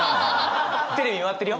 テレビ回ってるよ。